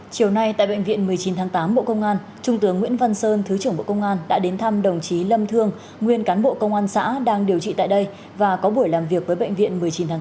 chiều nay tại bệnh viện một mươi chín tháng tám bộ công an trung tướng nguyễn văn sơn thứ trưởng bộ công an đã đến thăm đồng chí lâm thương nguyên cán bộ công an xã đang điều trị tại đây và có buổi làm việc với bệnh viện một mươi chín tháng tám